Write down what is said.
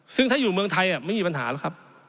ซึ่งถ้าอยู่เมืองไทยไม่มีปัญหาหรอกครับ